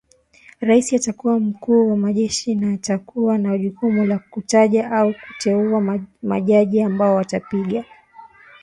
Rais atakuwa mkuu wa majeshi na atakuwa na jukumu la kutaja au kuteua majaji ambao watapiga marufuku mgomo